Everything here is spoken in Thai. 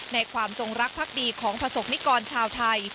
ในความจงรักพักดีของผสมนิกรชาวไทย